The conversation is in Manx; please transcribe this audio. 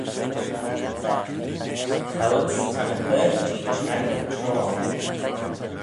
Choud's ta ny berçhee çhaglym troar.